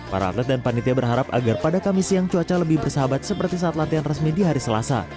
para atlet dan panitia berharap agar pada kamis siang cuaca lebih bersahabat seperti saat latihan resmi di hari selasa